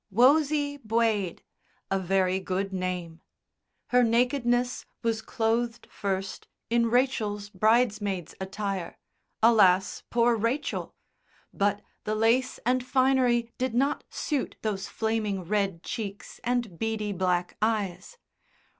"Wosie Bwaid," a very good name. Her nakedness was clothed first in Rachel's bridesmaid's attire alas! poor Rachel! but the lace and finery did not suit those flaming red cheeks and beady black eyes.